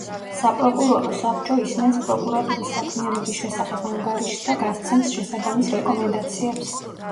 საპროკურორო საბჭო ისმენს პროკურატურის საქმიანობის შესახებ ანგარიშს და გასცემს შესაბამის რეკომენდაციებს.